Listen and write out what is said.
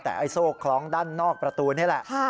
แต่ไอ้โซ่คล้องด้านนอกประตูนี่แหละ